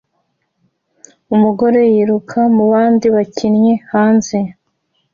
Umugore yiruka mubandi bakinnyi hanze